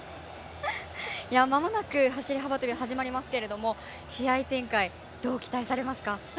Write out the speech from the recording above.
まもなく走り幅跳び始まりますけど試合展開どう期待されますか。